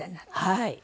はい。